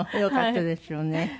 よかったですよね。